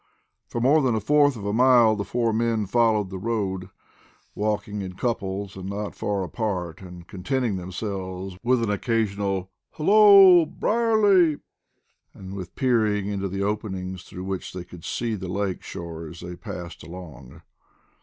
For more than a fourth of a mile the four men followed the road, walking in couples, and not far apart, and contenting themselves with an occasional "hallo, Brierly," and with peering into the openings through which they could see the lake shore as they passed along.